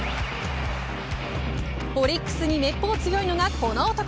オリックスにめっぽう強いのがこの男